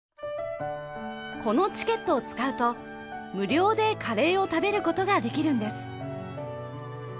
このチケットを使うと無料でカレーを食べる事ができるんです。